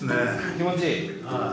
気持ちいい？